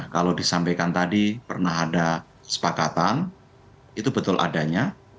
kalau disampaikan tadi pernah ada sepakatan itu betul adanya